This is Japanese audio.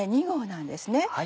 ２号なんですね。